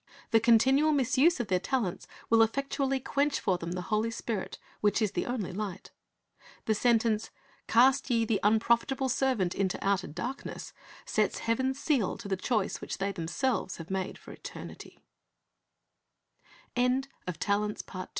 The continual misuse of their talents will effectually quench for them the Holy Spirit, which is the only light. The sentence, "Cast ye the unprofitable servant into outer dark ness," sets Heaven's seal to the choice which they themselves have made for eternity.